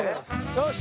よし！